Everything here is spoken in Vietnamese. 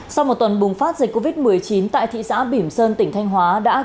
sau một tuần bùng phát dịch covid một mươi chín tại thị xã bỉm sơn tỉnh thanh hóa